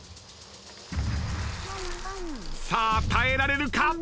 さあ耐えられるか？